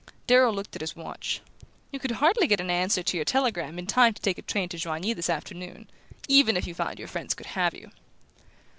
Darrow looked at his watch. "You could hardly get an answer to your telegram in time to take a train to Joigny this afternoon, even if you found your friends could have you."